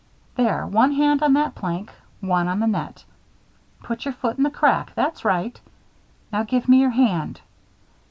There, one hand on that plank, one on the net. Put your foot in the crack that's right. Now give me your hand.